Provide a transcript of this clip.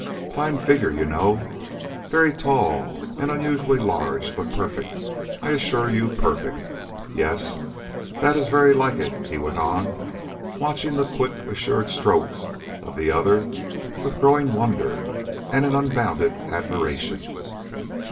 Fine figure, you know, very tall and unusually large, but perfect, I assure you, perfect. Yes, that is very like it," he went on watching the quick, assured strokes of the other with growing wonder and an unbounded admiration.